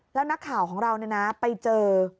แล้วนักข่าวของเราเนี่ยนะไปเจอ